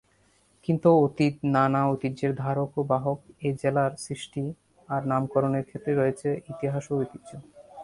কিন্তু অতীত নানা ঐতিহ্যের ধারক ও বাহক এ জেলার সৃষ্টি আর নামকরণের ক্ষেত্রে রয়েছে ইতিহাস ও ঐতিহ্য।